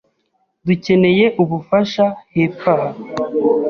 Dukeneye ubufasha hepfo aha.